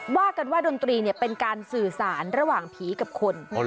ว่ากันว่าดนตรีเป็นการสื่อสารระหว่างผีกับคน